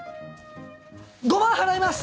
５万払います！